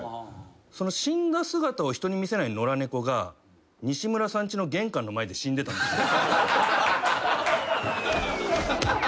その死んだ姿を人に見せない野良猫が西村さんちの玄関の前で死んでたんですよ。